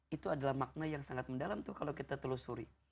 itu adalah makna yang sangat mendalam tuh kalau kita telusuri